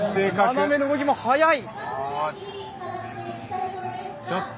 斜めの動きも速い。